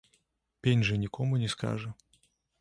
Пень жа нікому не скажа.